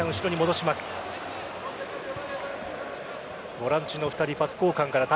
ボランチの２人パス交換から縦